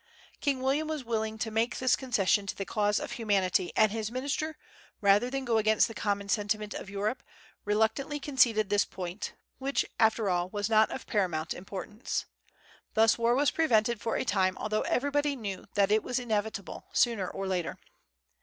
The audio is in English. King William was willing to make this concession to the cause of humanity; and his minister, rather than go against the common sentiment of Europe, reluctantly conceded this point, which, after all, was not of paramount importance. Thus was war prevented for a time, although everybody knew that it was inevitable, sooner or later.